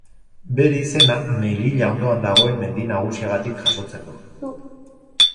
Bere izena, Melilla ondoan dagoen mendi nagusiagatik jasotzen du.